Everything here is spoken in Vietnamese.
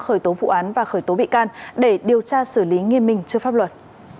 khởi tố vụ án và khởi tố bị can để điều tra xử lý nghiêm minh trước pháp luật